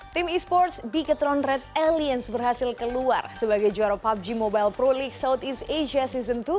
tim esports bigetron red aliens berhasil keluar sebagai juara pubg mobile pro league southeast asia season dua